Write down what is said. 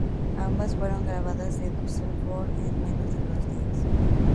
Ambas fueron grabadas en Düsseldorf en menos de dos días.